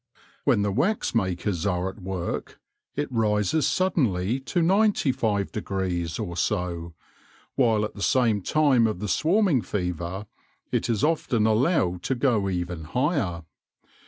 When the wax makers are at work, it rises suddenly to 95 or so, while at the time of the swarming fever it is often allowed to go even higher.